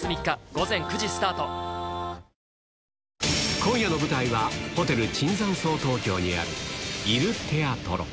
今夜の舞台は、ホテル椿山荘東京にある、イル・テアトロ。